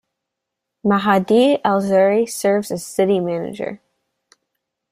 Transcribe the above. Mahdi Aluzri serves as City Manager.